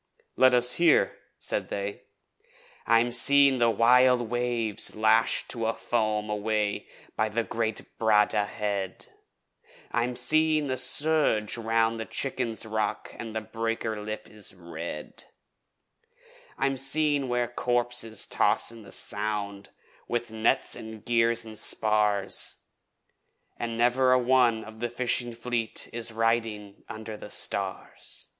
'Let us hear,' said they. I'm seeing the wild waves lashed to foam away by great Bradda Head, I'm seeing the surge round the Chicken's Rock an' the breaker's lip is red; I'm seeing where corpses toss in the Sound, with nets an' gear an' spars, An' never a one of the Fishing Fleet is riding under the stars.